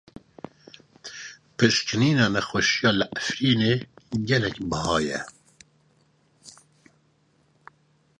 Pişkinîna nexweşiyan li Efrînê gelekî biha ye.